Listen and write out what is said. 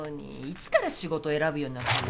いつから仕事選ぶようになったのよ。